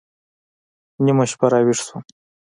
نيمه شپه راويښ سوم.